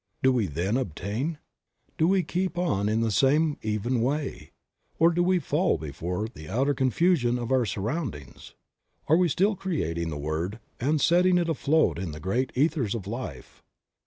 Do we then obtain? Do we keep on in the same even way? Or do we fall before the outer confusion of our surroundings ? We are still creating the word and setting it afloat in the great ethers of life.